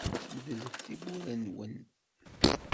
Medlet tiwwura-nwen.